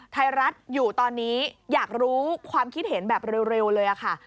ไทยรัฐอยู่ตอนนี้อยากรู้ความคิดเห็นแบบเร็วเลยค่ะ